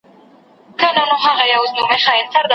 په قلم لیکنه کول د ستونزو د حل وړتیا لوړوي.